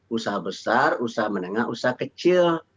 usaha besar usaha menengah usaha kecil